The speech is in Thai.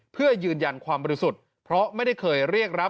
เพื่อยืนยันความบริสุทธิ์เพราะไม่ได้เคยเรียกรับ